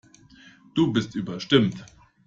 Du bist überstimmt.